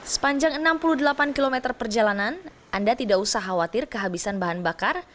sepanjang enam puluh delapan km perjalanan anda tidak usah khawatir kehabisan bahan bakar